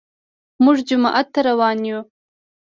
موږ جومات ته روان يو